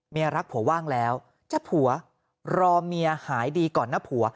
รักผัวว่างแล้วจะผัวรอเมียหายดีก่อนนะผัว